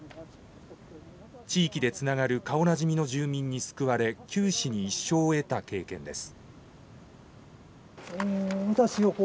地域でつながる顔なじみの住民に救われ九死に一生を得た経験です。